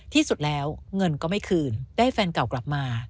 ที่สุดแล้วเงินก็ไม่คืนได้แฟนเก่ากลับมา